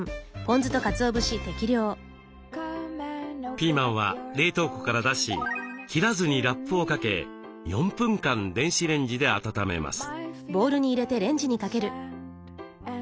ピーマンは冷凍庫から出し切らずにラップをかけ４分間電子レンジで温めます。